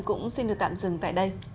cũng xin được tạm dừng tại đây